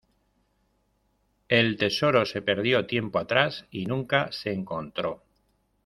El tesoro se perdió tiempo atrás y nunca se encontró.